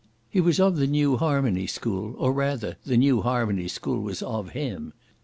He was of the New Harmony school, or rather the New Harmony school was of him.